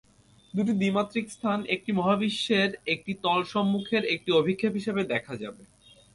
দুটি দ্বিমাত্রিক স্থান একটি মহাবিশ্বের একটি তল সম্মুখের একটি অভিক্ষেপ হিসাবে দেখা যাবে।